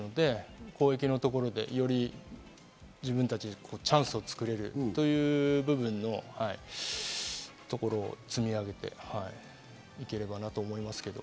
攻撃のところで、より自分たちでチャンスを作れるという部分のところを積み上げていければなと思いますけど。